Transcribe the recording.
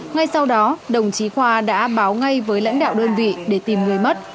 ngay sau đó đồng chí khoa đã báo ngay với lãnh đạo đơn vị để tìm người mất